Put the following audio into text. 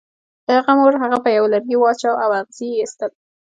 د هغه مور هغه په یوه لرګي واچاو او اغزي یې ایستل